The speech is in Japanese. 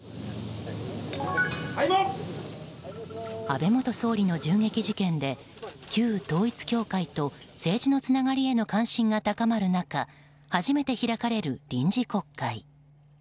安倍元総理の銃撃事件で旧統一教会と政治のつながりへの関心が高まる中初めて開かれる臨時国会。